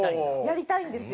やりたいんですよ。